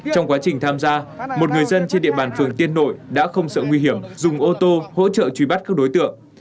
trong quá trình tham gia một người dân trên địa bàn phường tiên nội đã không sợ nguy hiểm dùng ô tô hỗ trợ truy bắt các đối tượng